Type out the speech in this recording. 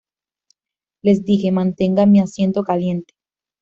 Les dije: 'Mantenga mi asiento caliente'".